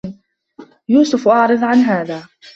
يوسف أعرض عن هذا